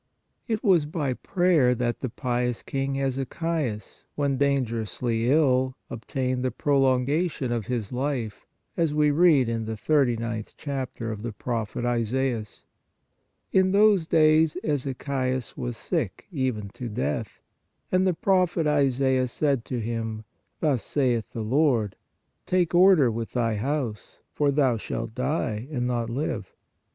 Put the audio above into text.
It was by prayer that the pious king Ezechias, when dangerously ill, obtained the prolongation of his life, as we read in the thirty ninth chapter of the Prophet Isaias :" In those days Ezechias was sick even to death, and the prophet Isaias said to him: Thus saith the Lord: Take order with thy house, for thou shalt die and not live.